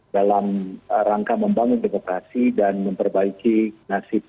dalam rangka membangun demokrasi dan memperbaiki nasib